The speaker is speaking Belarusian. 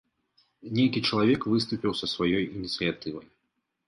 Нейкі чалавек выступіў са сваёй ініцыятывай.